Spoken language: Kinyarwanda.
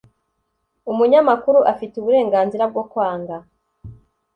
Umunyamakuru afite uburenganzira bwo kwanga